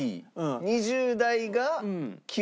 ２０代が９位。